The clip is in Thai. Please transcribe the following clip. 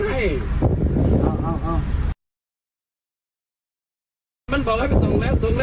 หมายความว่าอย่างไร